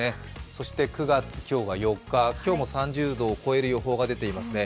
そして今日が９月４日、今日も３０度を超える予想が出ていますね。